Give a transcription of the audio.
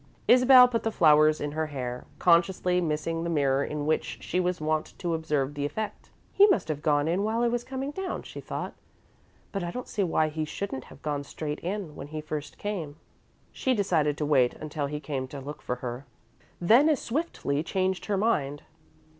Isabel put the flowers in her hair, consciously missing the mirror in which she was wont to observe the effect. "He must have gone in while I was coming down," she thought, "but I don't see why he shouldn't have gone straight in when he first came." She decided to wait until he came to look for her, then as swiftly changed her mind.